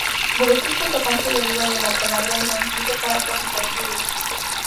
Guruji.com se deriva de la palabra en sánscrito para "profesor", Guru.